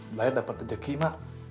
belaya dapat kezeki mak